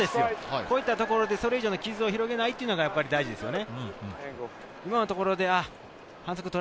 こういったところでそれ以上の傷を広げないっていうのが大事ですよね。